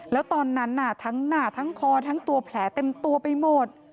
แล้วตอนนั้นทั้งหน้าทั้งคอทั้งตัวแผลเต็มตัวไปหมด